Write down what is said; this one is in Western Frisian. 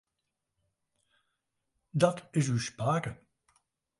Dat is ús pake.